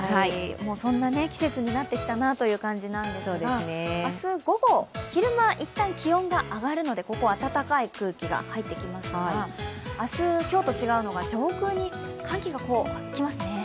そんな季節になってきたなという感じなんですが、明日午後、昼間、一旦気温が上がるのでここ、暖かい空気が入ってきますが明日は、今日と違うのが上空に寒気が来ますね。